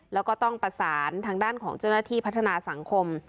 แล้วก็ต้องประสานทางด้านของเจ้าหน้าที่พัฒนาสังคม